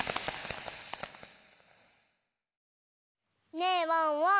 ねえワンワン。